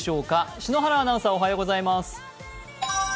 篠原アナウンサー、おはようございます。